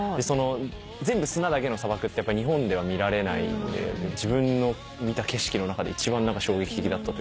全部砂だけの砂漠って日本では見られないので自分の見た景色の中で一番衝撃的だったというか。